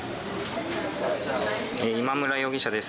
今村容疑者です。